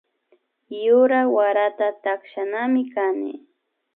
Yura warata takshanami kani